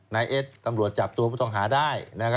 นายเอ็ดตำรวจจับตัวผู้ต้องหาได้